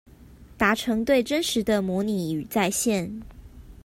達成對真實的模擬與再現